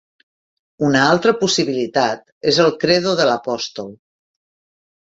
Una altra possibilitat és el Credo de l'Apòstol.